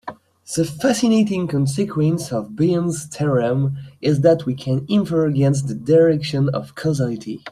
The fascinating consequence of Bayes' theorem is that we can infer against the direction of causality.